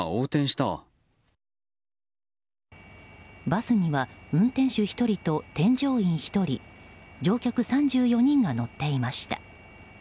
バスには運転手１人と添乗員１人乗客３４人が乗っていました。